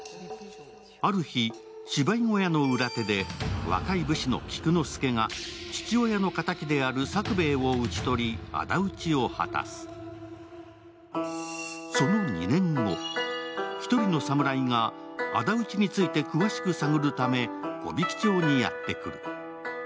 ある日、芝居小屋の裏手で若い武士の菊之助が父親の敵である作兵衛を討ち取り、あだ討ちを果たすその２年後、１人の侍があだ討ちについて詳しく探るため木挽町にやってくる。